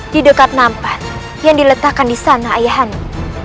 di dekat nampan yang diletakkan di sana ayah hanu